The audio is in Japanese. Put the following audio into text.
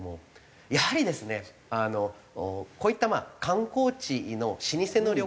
やはりですねこういった観光地の老舗の旅館さん